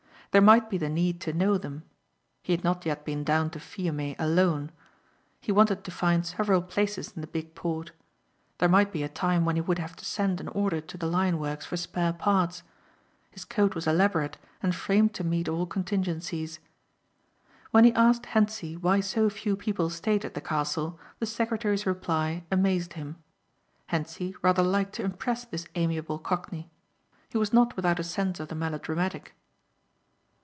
There might be the need to know them. He had not yet been down to Fiume alone. He wanted to find several places in the big port. There might be a time when he would have to send an order to the Lion works for spare parts. His code was elaborate and framed to meet all contingencies. When he asked Hentzi why so few people stayed at the castle the secretary's reply amazed him. Hentzi rather liked to impress this amiable cockney. He was not without a sense of the melodramatic.